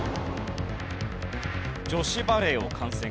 女子バレーを観戦。